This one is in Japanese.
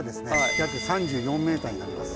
約３４ｍになります。